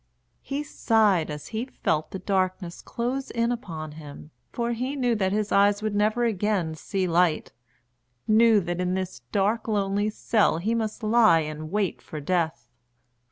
He sighed as he felt the darkness close in upon him, for he knew that his eyes would never again see light knew that in this dark lonely cell he must lie and wait for death.